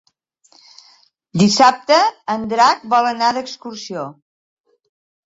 Dissabte en Drac vol anar d'excursió.